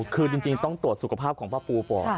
คือจริงต้องตรวจสุขภาพของป้าปูก่อน